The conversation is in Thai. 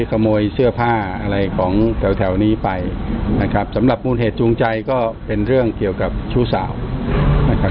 ขโมยเสื้อผ้าอะไรของแถวแถวนี้ไปนะครับสำหรับมูลเหตุจูงใจก็เป็นเรื่องเกี่ยวกับชู้สาวนะครับ